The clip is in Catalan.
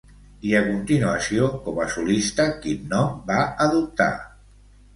I a continuació, com a solista, quin nom va adoptar?